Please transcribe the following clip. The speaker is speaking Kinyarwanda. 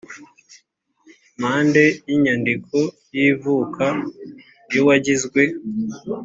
mpande y inyandiko y ivuka y uwagizwe